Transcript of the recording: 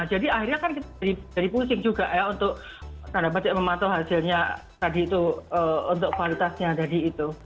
jadi maksudnya itu harga yang murah murah harga yang murah murah yang dikurangi juga jadi akhirnya kan kita jadi pusing juga ya untuk tanda petik mematuhi hasilnya tadi itu untuk kualitasnya tadi itu